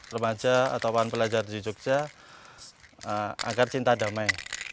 lemaja atau pelajar di jugja agar cinta damai